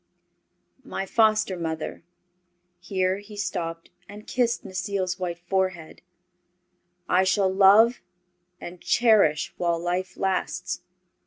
My foster mother," here he stopped and kissed Necile's white forehead, "I shall love and cherish while life lasts.